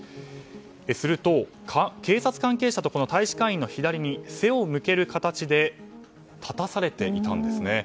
すると、警察関係者と大使館員の左に背を向ける形で立たされていたんですね。